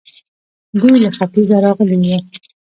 دوی له ختيځه راغلي وو